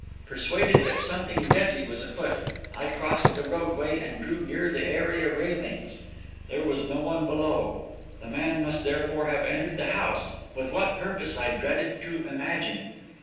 Persuaded that something deadly was afoot, I crossed the roadway and drew near the area railings. There was no one below; the man must therefore have entered the house, with what purpose I dreaded to imagine.